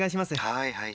「はいはい」。